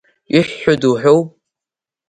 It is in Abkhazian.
Иҳәҳәада уҳәоу?